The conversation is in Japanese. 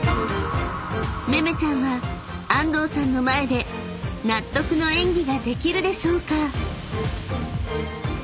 ［めめちゃんは安藤さんの前で納得の演技ができるでしょうか？］